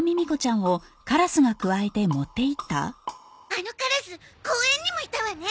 あのカラス公園にもいたわね。